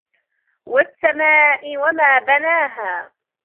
والسماء وما بناها